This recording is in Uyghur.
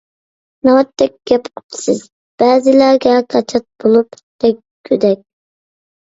ناۋاتتەك گەپ قىپسىز، بەزىلەرگە كاچات بولۇپ تەگكۈدەك!